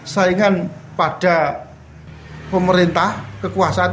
saingan pada pemerintah kekuasaan